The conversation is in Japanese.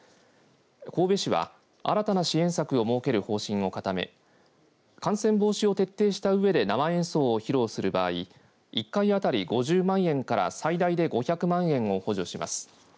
神戸市は、新たな支援策を設ける方針を固め感染防止を徹底したうえで生演奏を披露する場合１回あたり５０万円から最大で５００万円を補助します。